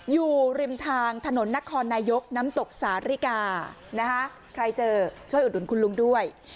อยู่ริมทางถนนนครนายกน้ำตกสาริกานะคะใครเจอช่วยอุดหนุนคุณลุงด้วย